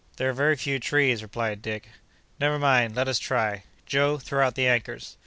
"There are very few trees," replied the hunter. "Never mind, let us try. Joe, throw out the anchors!"